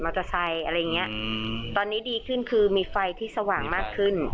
อะไรอย่างเงี้ยอืมตอนนี้ดีขึ้นคือมีไฟที่สว่างมากขึ้น